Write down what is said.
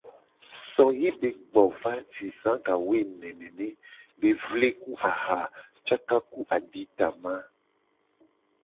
So ye be gbo va si za ga wo nene be vle ku aha caka ku aditama.